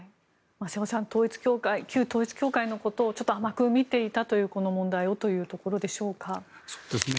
瀬尾さん、統一教会旧統一教会のことをちょっと甘く見ていたというこの問題をというところでしょうか。